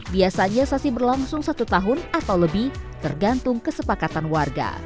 biasanya sesi berlangsung satu tahun atau lebih tergantung kesepakatan warga